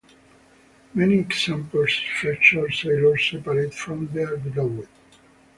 Many examples feature sailors separated from their beloved.